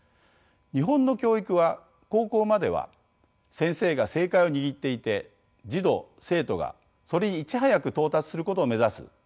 日本の教育は高校までは先生が正解を握っていて児童生徒がそれにいち早く到達することを目指す